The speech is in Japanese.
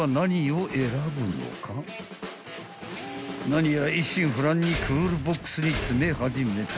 ［何やら一心不乱にクールボックスに詰め始めた］